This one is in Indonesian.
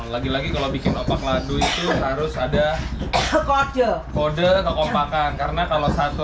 lagi lagi kalau bikin opak ladu itu harus ada kode kekompakan karena kalau satu